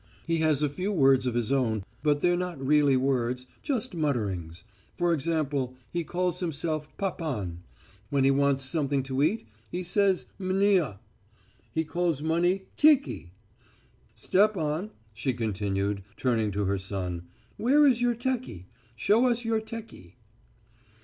He has a few words of his own, but they're not really words just mutterings. For example, he calls himself Papan; when he wants something to eat he says mnya; he calls money teki. Stepan,' she continued, turning to her son, 'where is your teki; show us your _teki.